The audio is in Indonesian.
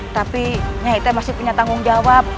tapi nyai teh masih punya tanggung jawab